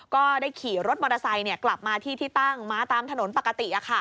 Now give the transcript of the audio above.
ก็ได้ขี่รถมอเตอร์ไซค์กลับมาที่ที่ตั้งมาตามถนนปกติ